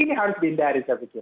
ini harus dihindari saya pikir